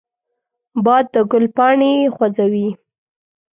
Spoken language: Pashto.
باد د ګل پاڼې خوځوي